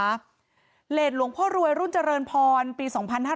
เลสหลวงพ่อรวยรุ่นเจริญพรปี๒๕๕๙